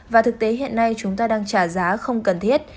và thực tế hiện nay chúng ta đang trả giá không cần thiết